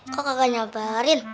kok kagak nyabarin